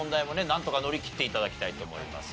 なんとか乗り切って頂きたいと思います。